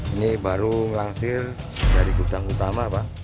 ini baru melangsir dari gudang utama pak